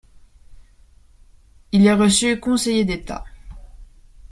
Il est reçu conseiller d’État.